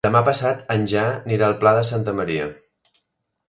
Demà passat en Jan anirà al Pla de Santa Maria.